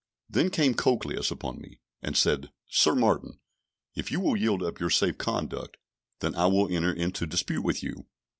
Then came Cocleus upon me, and said, "Sir Martin, if you will yield up your safe conduct, then I will enter into dispute with you."